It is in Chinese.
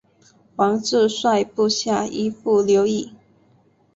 王质率部下依附留异。